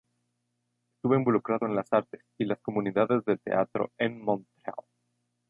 Estuvo involucrado en las artes y las comunidades de teatro en Montreal.